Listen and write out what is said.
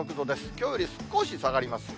きょうより少し下がります。